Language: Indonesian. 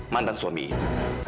mantan suami itu